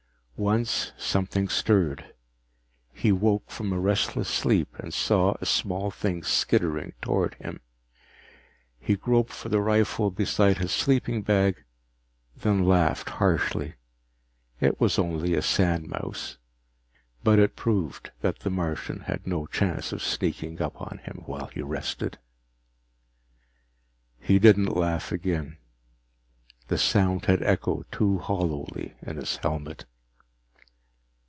Once something stirred. He woke from a restless sleep and saw a small thing skittering toward him. He groped for the rifle beside his sleeping bag, then laughed harshly. It was only a sandmouse. But it proved that the Martian had no chance of sneaking up on him while he rested. He didn't laugh again. The sound had echoed too hollowly in his helmet.